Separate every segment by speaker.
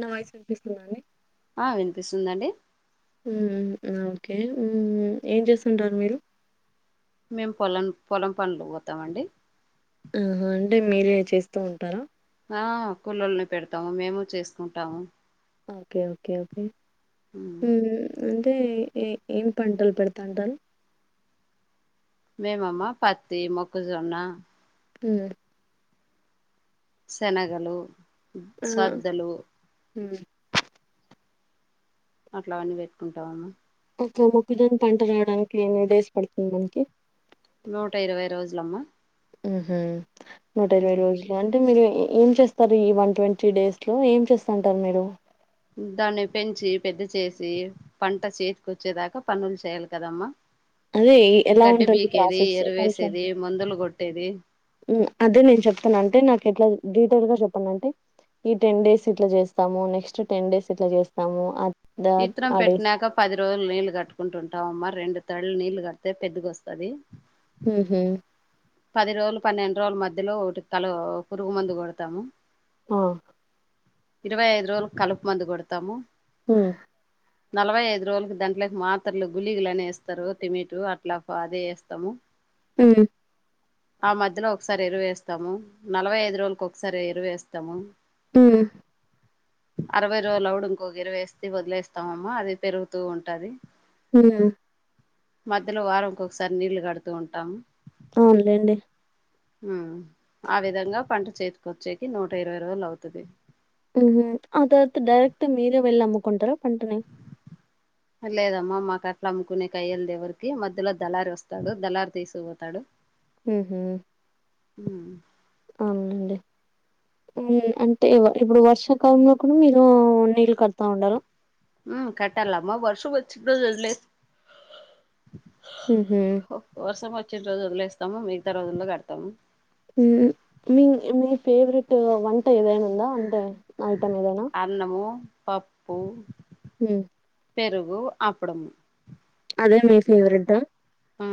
Speaker 1: నా వాయిస్ వినిపిస్తుందా అండి
Speaker 2: ఆ వినిపిస్తుందండి
Speaker 1: ఉమ్ ఓకే ఉమ్ ఏం చేస్తుంటారు మీరు
Speaker 2: మేం పొలం-పొలం పన్లు పోతామ్ అండి
Speaker 1: హ్మ్హు అంటే మీరే చేస్తూ ఉంటారా
Speaker 2: ఆ కూల్లోల్ని పెడతాము మేము చేసుకుంటాము
Speaker 1: ఓకే ఓకే ఓకే
Speaker 2: మ్
Speaker 1: హ్మ అయితే ఏ ఏం పంటలు పెడతా ఉంటారు
Speaker 2: మేమమ్మా పత్తీ మొక్కజొన్నా
Speaker 1: హ్మ
Speaker 2: శనగలూ
Speaker 1: ఆ
Speaker 2: సద్దలూ
Speaker 1: మ్మ్
Speaker 2: అట్లాఅన్నీ పెట్టుకుంటాము
Speaker 1: ఒక మొక్కజొన్న పంట రావటానికి ఎన్ని డేస్ పడుతుంది మనకి
Speaker 2: నూట ఇరవై రోజులమ్మ
Speaker 1: హ్మ నూట ఇరవై రోజులా అండి అంటే మీరు ఏం చేస్తారు ఈ వన్ ట్వంటీ డేస్ లో ఏం చేస్తా ఉంటారు మీరు
Speaker 2: దాన్ని పెంచి పెద్ద చేసీ పంట చేతికి వచ్చేదాకా పనుల్ చేయాలి కదమ్మ
Speaker 1: అదే ఎలా
Speaker 2: గడ్డి
Speaker 1: ఉంటుంది
Speaker 2: పీకేదీ
Speaker 1: ప్రాసెస్ కొంచెం
Speaker 2: ఎరువేసేదీ మందులు కొట్టేదీ
Speaker 1: అదే నేను చెప్తున్న అంటే నాకు ఎట్ల డీటేయిల్ గా చెప్పండి అంటే ఈ టెన్ డేస్ ఇట్ల చేస్తాము నెక్స్ట్ టెన్ డేస్ ఇట్ల చేస్తాము ద
Speaker 2: ఇతరం
Speaker 1: ఆ డేస్
Speaker 2: పెట్టినాక పది రోజులు నీళ్ళు కట్టుకుంటుంటామ్ అమ్మ రెండు తళ్ళ నీళ్లు కడితె పెద్దగా వస్తాది
Speaker 1: హ్మ్హు
Speaker 2: పది రోజులు పన్నెండు రోజుల మధ్యలో ఒకటి తల ఓ పురుగు మందు కొడతాము
Speaker 1: ఆ
Speaker 2: ఇరవైఐదు రోజులకు కలుపు మందు కొడతాము
Speaker 1: ఆ
Speaker 2: నలభై ఐదు రోజులకి దంట్లకి మాత్రలు గులీగులనే వేస్తారు టమాటో అట్ల అదే వేస్తాము
Speaker 1: హ
Speaker 2: ఆ మధ్యలో ఒకసారి ఎరువు వేస్తాము నలభై ఐదు రోజులకి ఒకసారి ఎరువుేస్తాము
Speaker 1: హ
Speaker 2: అరవై రోజులు అవుడు ఇంకో గర వేస్త వదిలేస్తాంమ్మా అది పెరుగుతూ ఉంటది
Speaker 1: హ
Speaker 2: మధ్యలో వారం ఇకొకసారి నీళ్లు కడుతూ ఉంటాము
Speaker 1: అవునులేండి
Speaker 2: ఆ విధంగా పంట చేతికొచ్చేకి నూట ఇరవై రోజులు అవుతుది
Speaker 1: ఉ అదత్ డైరక్ట్ మీరే వెల్ నమ్కుంట్ర
Speaker 2: లేదమ్మా అమ్మ క అమ్ముకునే కయ్యల్ ద ఎవరికి మధ్యలో దళారి వస్తాడు దళారి తీసి పోతాడు
Speaker 1: హ
Speaker 2: హ
Speaker 1: అవుననండి అంటే ఇప్పుడు వర్షాకాలంలో కూడా మీరు నీళ్ళు కడతా ఉండారుి
Speaker 2: ఉ కట్టాలమా వర్షం వచ్చకుడలే
Speaker 1: హ్మ్ హు
Speaker 2: వర్ష మ వచ్చ రజుజలులే ఇస్తాము మిగతా రోజుల్లో కడతాము
Speaker 1: మీ మీ ఫేవరెట్ వంట ఏదైనా ఉందా అంటే ఐటమ్ ఏదైనా
Speaker 2: అరణము పప్పు
Speaker 1: హ
Speaker 2: పెరుగు అప్పుడుము
Speaker 1: అదే మీ ఫేవరెట్
Speaker 2: ఆ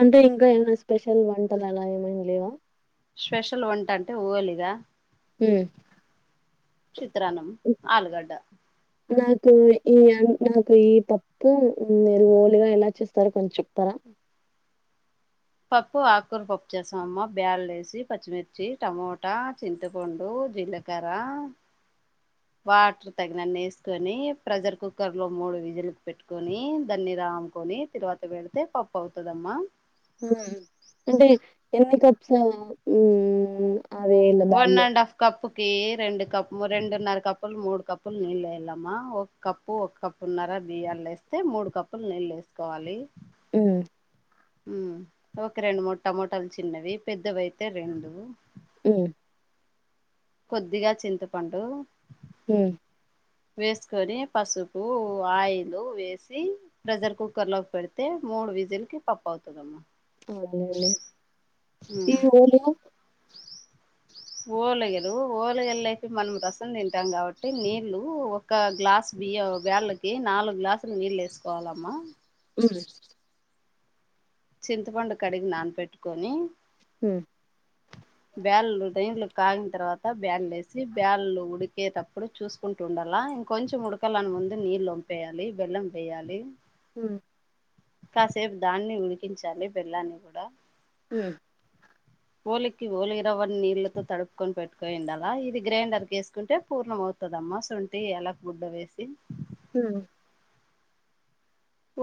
Speaker 1: అంటే ఇంకా ఎన్న స్పెషల్ వంటల ఎలాయమ ఇవ
Speaker 2: స్పెషల్ వంట అంటే ఊలిగా
Speaker 1: హ
Speaker 2: చిత్రానం ఆలగడ్డ
Speaker 1: నాకు ఈ నాకు ఈ పప్పు మీరు ోలుగా ఎలా చేస్తారుో కొంచం చెప్తారా
Speaker 2: పప్పు ఆకూర పప్పు చేస్తామమ్మ బ్యాాల వేసి పచ్చిమిర్చి టమోటా చింతపండు జీలకర్ర వాటర్ తగినన్ని వేసుకొని ప్రెషర్ కుక్కర్ లో మూడు విజిలు పెట్టుకొని దాన్ని రామ్కొని తరువాత వెడితే పప్పు అవుతదమ్మా
Speaker 1: అంటే ఎన్ని కప్స్ అవి ఇలా
Speaker 2: వన్
Speaker 1: బ్యాల్లు
Speaker 2: అండ్ హాఫ్ కప్పు రెండు కప్పు రెండున్నర కప్పులు మూడు కప్పులు నీళ్ళు వేయలమ్మా ఒక కప్పు ఒక కప్పు ఉన్నారా బియలు వేస్తే మూడు కప్పులు నీళ్ళు వేసుకోవాలి
Speaker 1: ఆ
Speaker 2: ఉ ఒక రెండు మూ టమోటాలు చిన్నవి పెద్దవి అయితే రెండు
Speaker 1: ఆ
Speaker 2: కొద్దిగా చింతపండు
Speaker 1: హ
Speaker 2: వేసుకొని పసుపు ఆయిల్ వేసి ప్రెషర్ కుక్కర్ లోకి పెడితే మూడు విజిలకి పప్పు అవుతుదమ్మా
Speaker 1: అదే అదే ఈ
Speaker 2: ఉమ్
Speaker 1: ఓలి
Speaker 2: ఓలగలు ఓలగరలుపి మనం రసం తింటాం కాబట్టి నీళ్లు ఒక గ్లాసు బియ్య బేళ్ళకి నాలుగు గ్లాసులు నీళ్ళు వేసుకోవాలమ్మా
Speaker 1: అవు
Speaker 2: చింతపండు కడిగి నాన పెెట్టుకొని
Speaker 1: హ
Speaker 2: బ్యాల్లు రైంళ్లు కాగిన తర్వాత బ్యాళ్లు వేసి బ్యాళ్లు ఉడికేటప్పుడు చూసుకుంటు ఉండాల ఇంకొంచెం ఉడకాలని ముందు నీళ్ు వంపేయాలి బెల్లం వేయాలి
Speaker 1: హమ్
Speaker 2: కాసేపు దాన్ని ఉడికించాలి బెల్లాన్ని కూడా
Speaker 1: ఉమ్
Speaker 2: ఓలికి ోలి రవ్వ నీళ్ళతో తడుపుకొని పెట్టుకోయింది అలా ఇది గ్రైండర్ క వేసుకుంటే పూర్ణం అవుతుదమ్మా సొంటిి ఎలా గుడ్డ వేసి
Speaker 1: ఉమ్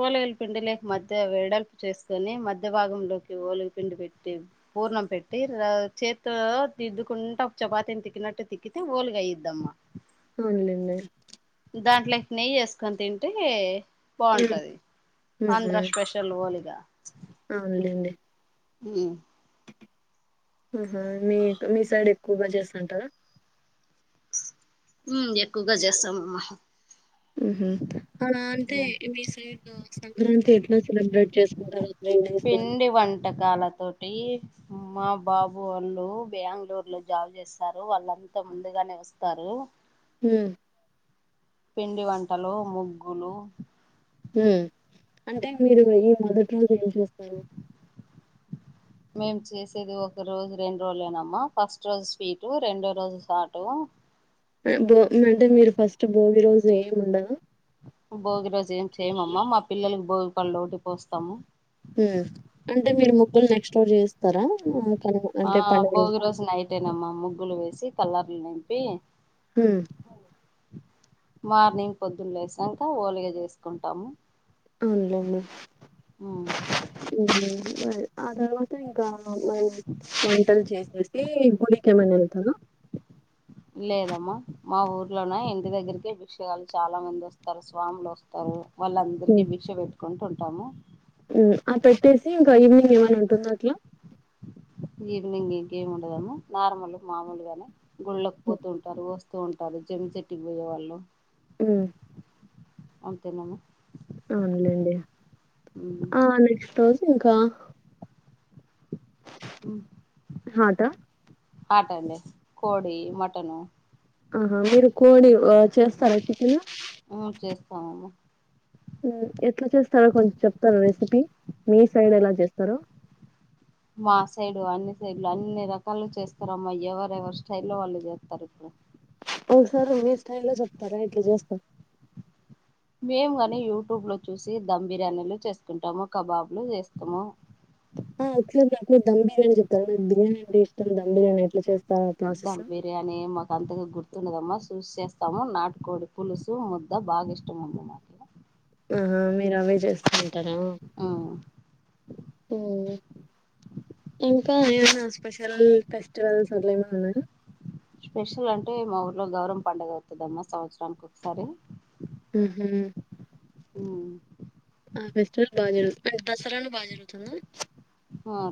Speaker 2: ఓలగుల పిండి లేక మధ్య వెడల్పు చేసుకొని మధ్య భాగంలోకి ఓలిగు పిండి పెట్టి పూర్ణం పెట్టి చేతి దిద్దుకుంటూ చపాతని తిక్కినట్టు తిక్కితే ఓలుగ అయ్యద్దమ్మా
Speaker 1: అవునలేడి
Speaker 2: దాంట్లోకి నె్యి చేసుకొని తింటే పోన్
Speaker 1: హ్మ్
Speaker 2: ఆంధ్ర స్పెషల్ హోలిగా
Speaker 1: ఆ ఉందిడి
Speaker 2: ఉమ్
Speaker 1: ఆహా మీ మీ సైడ్ ఎక్కువగా చేస్తుంటారా
Speaker 2: ఎక్కువగా చేస్తాంమ్మ
Speaker 1: ఉహ అలా అంటే మీ సైడ్ సంక్రాంతి ఎట్లా సెలబ్రేట్ చేస్త అంట
Speaker 2: పిండి వంటకాల తోటి అ మా బాబు వాళ్ళు బెంగళూరులో జాబ్ చేస్తారు వాళ్ళంతా ముందుగానే వస్తారు
Speaker 1: అ
Speaker 2: పిండి వంటలు, ముగ్గులు
Speaker 1: అంటే మీరు ఈ మొదటి రోజు ఏం చేస్తారు?
Speaker 2: మేము చేసేది ఒక రోజు రెండు రోజులునమ్మా ఫస్ట్ రోజు స్వీటు రెండో రోజు సాటు
Speaker 1: భో అంటే మీరు ఫస్ట్ భోగి రోజు ఏమి ఉండద
Speaker 2: భోగి రోజు ఏం చేయమమ్మా మా పిల్లలలకు భోగి ఉఉహ్
Speaker 1: అంటే మీరు ముగ్గులు నెక్స్ట్టోర్ చేస్తారా
Speaker 2: ఆబ్బోగి రోజ నైయిట్ేనమ్మ ముగ్గులు వేసి కల్ నింపి
Speaker 1: హ
Speaker 2: మార్నింగ్ పొద్దులు వసాక ఓలిగా చేసుకుంటాము
Speaker 1: అవునువును
Speaker 2: ఆ
Speaker 1: ఆ తర్వాత ఇంక వంటలు చేసేసి గుడి కేమనీ ఎంతారు
Speaker 2: లేదమ్మా మా ఊర్లోనే ఇంటి దగ్గరికే భిక్షకాలు చాలా మంది వస్తారు స్వాములు వస్తారు వాళ్ళందరికీ
Speaker 1: హ్మ్.
Speaker 2: భిక్ష పెట్టుకుంటూ ఉంటుారు త్తము
Speaker 1: ఆ పెట్టేసి ఇంకా ఈవినింగ్ ఏమనా ఉంటుంద అట్లా
Speaker 2: ఈవినింగ్ గేమ్ ఉండదము నార్మల్ మామూలుగానే గుళ్ళకి పోతుంటారు వస్తు ూ ఉంటారు జమి చెట్టుకి పోయే వాళ్ళు
Speaker 1: ఆ
Speaker 2: అంతేనామ
Speaker 1: అవునులేండి ఆ నెక్స్ట్ రోజు ఇంకా హద
Speaker 2: ఆటండి కోడి మటను
Speaker 1: ఆహా మీరు కోడి చేస్తార ఎట్ కలా
Speaker 2: ఆ చేస్తామమ్మ
Speaker 1: ఎట్లా చేస్తారో కొంచం చెప్తారు రెసిపీ మీ సైడ్ ఎలా చేస్తారో
Speaker 2: మా సైడు అన్ని సైడ్లు అన్ని రకాలు చేస్తారు అమ్మా ఎవరెవరు స్టైల్లో లో వాళ్ళు చేస్తారు ఇక్కడ
Speaker 1: ఓ సర మీస్ టయలు సప్త రా ఇలు జస్త
Speaker 2: మేము కానీ యూట్యూబ్లో చూసి దధమ్ బిర్యానీలు చేసుకుంటాము కబాబ్ులు చేస్తాము
Speaker 1: ఆసారి నాకు మ్ బిర్యానీ చెప్తారు నాకు బిర్యానీ అ ఇష్టం ధమ్ బిర్యానీ ఎట్లా చేస్త
Speaker 2: దమ్ బిర్యానీ మకు అంతగా గుర్తు ండదమ్మా చూసి చేస్తాము నాటుకోడి పులుసు ముద్ద బాగా ఇష్టం ఉందిమాట్
Speaker 1: త ఇంకా అనా స్పెషల్ ఫెస్టివల్లన్నా
Speaker 2: స్పెషల్ అంటే మా ఊరిలో గౌరవం పండుగ అవుతుందమ్మా సంవత్సరానికి ఒకసారి
Speaker 1: హ
Speaker 2: అ
Speaker 1: ఆ ఫెస్టిల్ బాగా జరుగుతు దసరాను బాగా జరుగుతుందా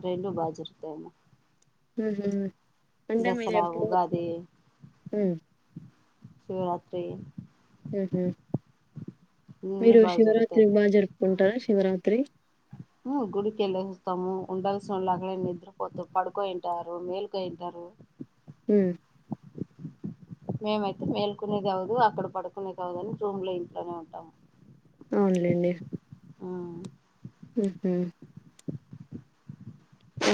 Speaker 2: రైలు బాజరు త
Speaker 1: ఉ అంటే మీరు ఎప్పుడు
Speaker 2: ఉగాది
Speaker 1: హ
Speaker 2: శివరాత్రి
Speaker 1: ఆహ
Speaker 2: అన్నీ
Speaker 1: మీరు
Speaker 2: బాగా జరుగుతాయి
Speaker 1: శివరాత్రి బాగా జరుపుకుంటారా శివరాత్రి
Speaker 2: గుడికిెళ్ళి వస్తాము ఉంల్సిన వాళ్ళు అక్కడే నిద్రపోతా పడుకోయింటారు మేలుక తంటారు
Speaker 1: హ
Speaker 2: మేమైతే మేల్కునేది కావదు అక్కడ పడుకునేది కాదు అని రూమ్ లో ఇంట్లోనే ఉంటాము
Speaker 1: అవునులేండి హ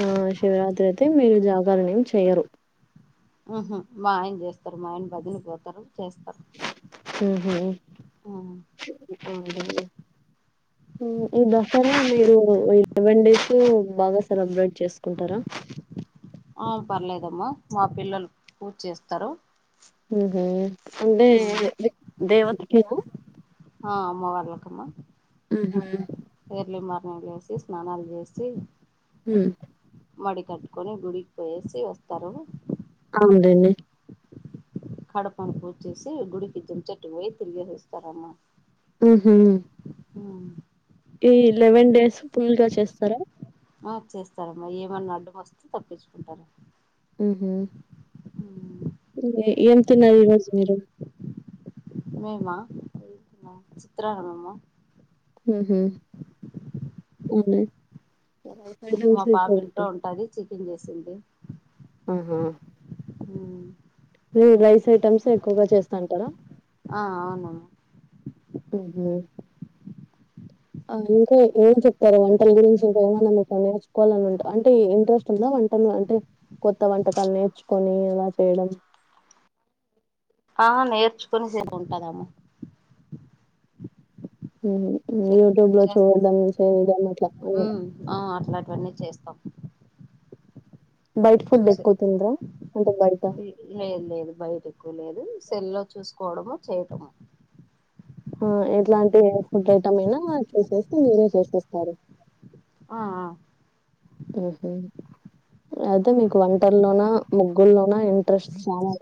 Speaker 1: ఆ శివరాత్రి అయితే మీరు జాగరణయం చెయరు
Speaker 2: ఆహ మా ఆయన చేస్తారు మా ఆయన బదిని పోతారు చేస్తారు
Speaker 1: హహ
Speaker 2: ఆ
Speaker 1: అ ఈ దసరా మీరులవెన్ డేస్ బాగా సెలబ్రేట్ చేసుకుంటారా
Speaker 2: ఆ పర్లేదమ్మా మా పిల్లలు పూర్ చేస్తారు
Speaker 1: హే హే అందే దేవతకినా
Speaker 2: ఆ అమ్మ వర్లకమ్మా
Speaker 1: ఆహ
Speaker 2: ఎర్లి మార్నింగ్ లేసి స్నానాలు చేసి
Speaker 1: హ్మ్
Speaker 2: మడి కట్టుకొని గుడికి పోయేసి వస్తారు
Speaker 1: అవుందండి
Speaker 2: కడపను పూచేసి గుడికి దం చెట్టు పోయి తిరిగేసేస్తార అమ్మా
Speaker 1: ఆ హ
Speaker 2: అవు
Speaker 1: ఈ లెవెన్ డేస్ ఫుల్ గా చేస్తారా
Speaker 2: చేస్తారమ్మా ఏమన్నా అడ్డం వస్తే తప్పించుకుంటారు
Speaker 1: హ ఎంత తిన్నారా ఈ రోజు మీరు
Speaker 2: మేమన్నా చిత్రత్ర హమమా
Speaker 1: హ అ అసం ఇప్ప పట్
Speaker 2: పం చేసింది
Speaker 1: ఆహ
Speaker 2: హ
Speaker 1: మీరు రైస్ ఐటమ్స్ ఎక్కువగా చేస్తాంటారా
Speaker 2: ఆ అవునమ్మా
Speaker 1: ఆ ఇంకా ఏం చెప్తారు వంటల గురించి ఇ ఏమన్నా మీ నేర్చుకోవాలని ఉంటా అంటే ఇంట్రెస్ట్ ఉందా వంటలు అంటే కొత్త వంటకాలు నేర్చుకొని ఎలా చేయడం
Speaker 2: ఆ నేర్చుకొని సేపు ఉంటుదాము
Speaker 1: యూట్యూబ్ లో
Speaker 2: చేస్తా
Speaker 1: చూడడం చేయడం అట్లా అ
Speaker 2: ఆ చూసే
Speaker 1: ఎక్కువ తినరా? అంటే బయట
Speaker 2: లేదు లేదు బయట ఎక్కువ లేదు సెల్ లో చూసుకోవడము చేయటము
Speaker 1: ఆ ఎట్లాంటి ఫుడ్ ఐటమ్ అయినా చూసేసి మీరే చేసిస్తారు
Speaker 2: ఆ ఆ
Speaker 1: హ అయితే మీకు వంటల్లోనా ముగ్గుల్లోనా ఇంట్రెస్ట్ చాలా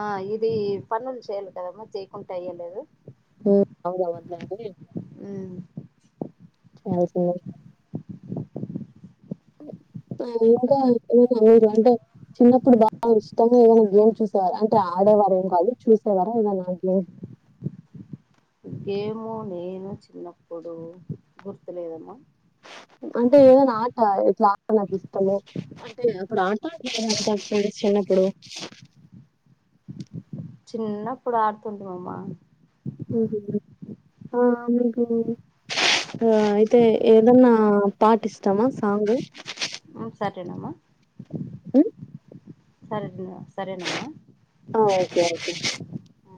Speaker 2: ఆ ఇది పన్లు చేయ్యాలి కదమ్మా చేయకుంటే అయ్యలేదు
Speaker 1: అవుద వద్లండి ల్సింది ఇంకా ఏమనా మీరు అంటే చిన్నప్పుడు బాగా ఇష్టము ఏదనా గేమ్ చూసేవారా అంటే ఆడేవారు ఏం కాదు చూసేవారా ఏదైనా గేమ్
Speaker 2: ఏమో నేను చిన్నప్పుడు గుర్తులేదమ్మా
Speaker 1: అంటే ఏదైనా ఆట ఇట్లా ఆట నాకు ఇష్టము అంటే అప్పుడు ఆట చిన్నప్పుడు
Speaker 2: చిన్నప్పుడు ఆడుతుంట మామ్మా
Speaker 1: ఆ మీకు అయితే ఏదన్నా పాట్ ఇస్తామా సాంగ్
Speaker 2: సటేనామా
Speaker 1: ఆ
Speaker 2: సరే సరేనమ్మా
Speaker 1: ఆ! ఓకే. ఓకే.
Speaker 2: ఆ